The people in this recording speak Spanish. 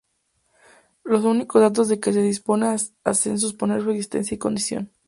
Los únicos datos de que se dispone hacen suponer su existencia y condición.